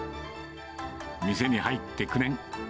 店に入って９年。